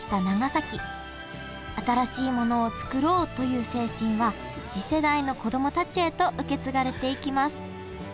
新しいものを作ろうという精神は次世代の子供たちへと受け継がれていきます